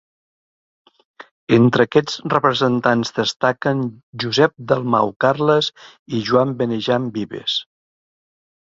Entre aquests representants destaquen Josep Dalmau Carles i Joan Benejam Vives.